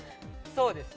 そうですね。